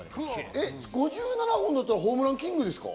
５７本だったらホームランキングですか？